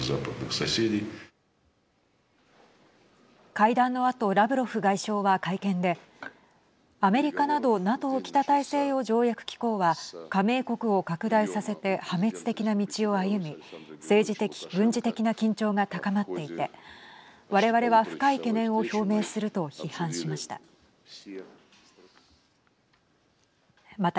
会談のあとラブロフ外相は会見でアメリカなどＮＡＴＯ＝北大西洋条約機構は加盟国を拡大させて破滅的な道を歩み政治的、軍事的な緊張が高まっていて我々は深い懸念を表明すると批判しました。